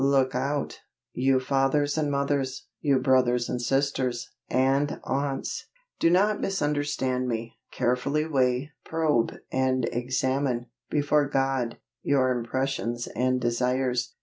Look out, you fathers and mothers, you brothers and sisters, and aunts!_ Do not misunderstand me. Carefully weigh, probe, and examine, before God, your impressions and desires.